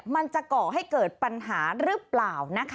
มันจะก่อให้เกิดปัญหาหรือเปล่า